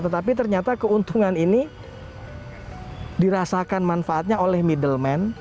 tetapi ternyata keuntungan ini dirasakan manfaatnya oleh middleman